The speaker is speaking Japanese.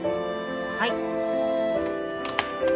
はい。